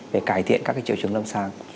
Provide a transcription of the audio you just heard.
để cải thiện các triệu chứng lâm sàng